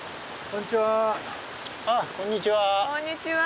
こんにちは。